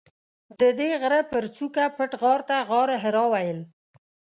ددې غره پر څوکه پټ غار ته غارحرا ویل.